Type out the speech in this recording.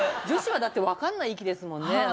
女子はだって分かんない域ですもんね